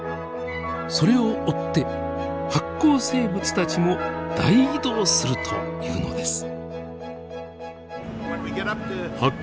それを追って発光生物たちも大移動するというのです。